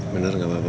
bener gak apa apa